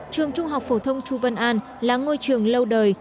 trường trung học phổ thông chu văn an là ngôi trường lâu đời